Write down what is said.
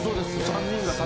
３人が先。